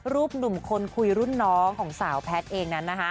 รูปหนุ่มคนคุยรุ่นน้องของสาวแพทนั้น